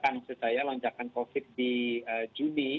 saya menunjukkan saja lonjakan covid di juli